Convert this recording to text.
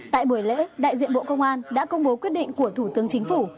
tại buổi lễ đại diện bộ công an đã công bố quyết định của thủ tướng chính phủ